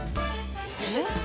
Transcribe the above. えっ？